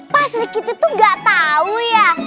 pasur kiti tuh gak tahu ya